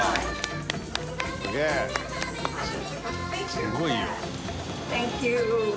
すごいよ。